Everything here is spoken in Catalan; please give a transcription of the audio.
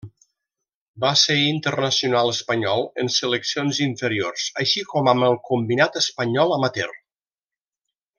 Va ser internacional espanyol en seleccions inferiors, així com amb el combinat espanyol amateur.